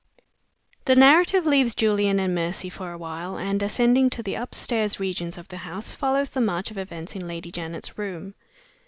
THE narrative leaves Julian and Mercy for a while, and, ascending to the upper regions of the house, follows the march of events in Lady Janet's room.